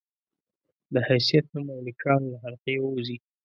د حيثيت، نوم او نښان له حلقې ووځي